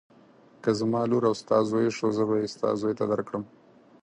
که زما لور او ستا زوی شو زه به یې ستا زوی ته درکړم.